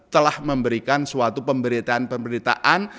telah memberikan suatu pemberitaan pemberitaan